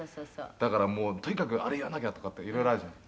「だからもうとにかくあれやらなきゃとかっていろいろあるじゃない。